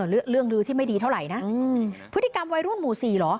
เรื่องลือที่ไม่ดีเท่าไหร่นะพฤติกรรมวัยรุ่นหมู่สี่เหรอ